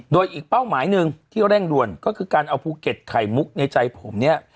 โดยอีกเป้าหมายหนึ่งที่เร่งด่วนก็คือการเอาภูเก็ตไข่มุกในใจผมเนี่ย